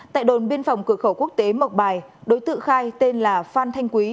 tại đồn biên phòng cửa khẩu quốc tế mộc bài đối tượng khai tên là phan thanh quý